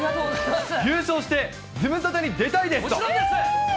優勝してズムサタに出たいでもちろんです！